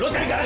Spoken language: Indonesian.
lu udah gak